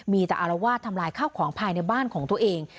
มีแต่อารวาสทำลายข้าวของภายในบ้านของตัวเอง